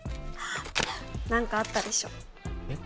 何かあったでしょえっ